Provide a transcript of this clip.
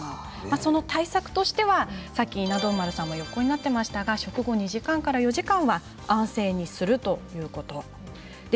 その対策としては先ほど稲童丸さんが横になっていましたけれど食事１時間から４時間は安静にするということです。